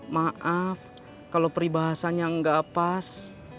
maaf kalau peribahasannya ga pas